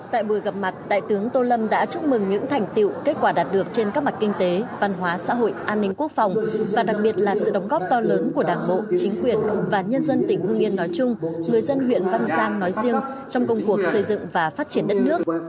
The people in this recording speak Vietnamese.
tại buổi gặp mặt đại tướng tô lâm đã chúc mừng những thành tiệu kết quả đạt được trên các mặt kinh tế văn hóa xã hội an ninh quốc phòng và đặc biệt là sự đóng góp to lớn của đảng bộ chính quyền và nhân dân tỉnh hương yên nói chung người dân huyện văn giang nói riêng trong công cuộc xây dựng và phát triển đất nước